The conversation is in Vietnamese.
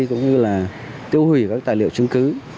cũng như tiêu hủy các tài liệu chứng cứ